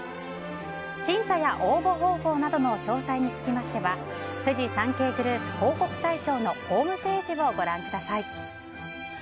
審査や応募方法などの詳細につきましてはフジサンケイグループ広告大賞のホームページをご覧ください。